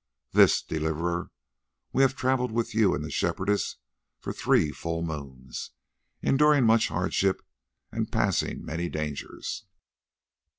"This, Deliverer: we have travelled with you and the Shepherdess for three full moons, enduring much hardship and passing many dangers.